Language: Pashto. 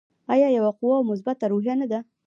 آیا یوه قوي او مثبته روحیه نه ده؟